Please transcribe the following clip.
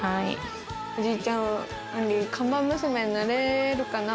おじいちゃん、あんり看板娘になれるかな？